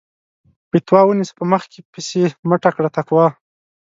فَتوا ونيسه په مخ کې پسې مٔټه کړه تقوا